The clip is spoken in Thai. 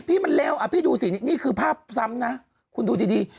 นี่ไงพี่มันเร็วมีภาพสำนะคุณดูดี